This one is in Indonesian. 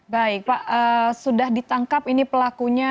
baik pak sudah ditangkap ini pelakunya